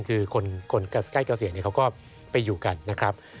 คือคนใกล้เกษียณเขาก็ไปอยู่กันนะครับ